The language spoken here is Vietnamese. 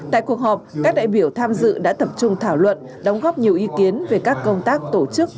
tại cuộc họp các đại biểu tham dự đã tập trung thảo luận đóng góp nhiều ý kiến về các công tác tổ chức